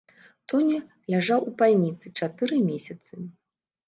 Тоня ляжаў у бальніцы чатыры месяцы.